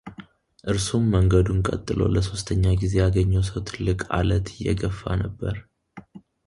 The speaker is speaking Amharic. እርሱም መንገዱን ቀጥሎ ለሶስተኛ ጊዜ ያገኘው ሰው ትልቅ አለት እየገፋ ነበር፡፡